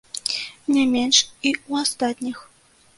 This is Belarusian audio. Не менш і ў астатніх.